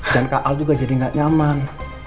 dan kak al juga jadi gak nyaman